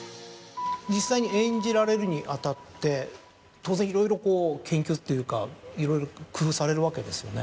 実際に演じられるに当たって当然いろいろ研究というかいろいろ工夫されるわけですよね。